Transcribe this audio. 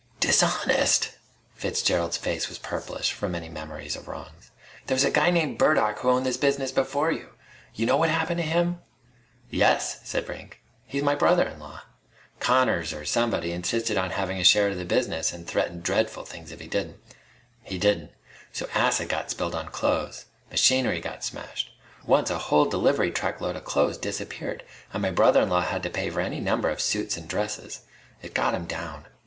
"Dishonest!" Fitzgerald's face was purplish, from many memories of wrongs. "There was a guy named Burdock who owned this business before you. Y'know what happened to him?" "Yes," said Brink. "He's my brother in law. Connors or somebody insisted on having a share of the business and threatened dreadful things if he didn't. He didn't. So acid got spilled on clothes. Machinery got smashed. Once a whole delivery truck load of clothes disappeared and my brother in law had to pay for any number of suits and dresses. It got him down.